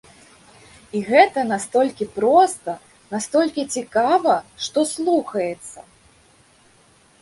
І гэта настолькі проста, настолькі цікава, што слухаецца!